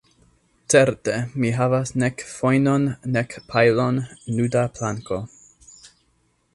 Certe, mi havas nek fojnon, nek pajlon, nuda planko.